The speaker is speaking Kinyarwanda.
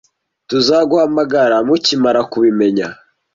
Tuzaguhamagara mukimara kubimenya.